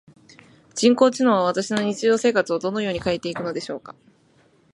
人工知能は私の日常生活をどのように変えていくのでしょうか？